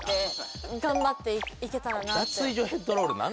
脱衣所ヘッドロール何？